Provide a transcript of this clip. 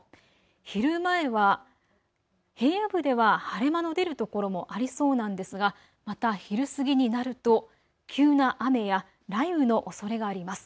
昼前は平野部では晴れ間の出る所もありそうなんですがまた昼過ぎになると、急な雨や雷雨のおそれがあります。